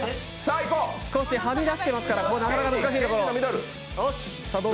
少しはみ出しているから、なかなか難しいところ。